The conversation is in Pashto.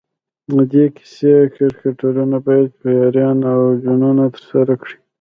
د دې کیسې کرکټرونه باید پیریان او جنونه ترسره کړي.